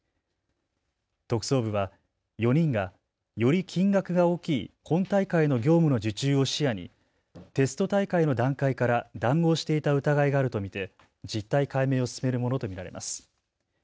特捜部は４人がより金額が大きい本大会の業務の受注を視野にテスト大会の段階から談合していた疑いがあると見て実態解明を進めるものと見られます。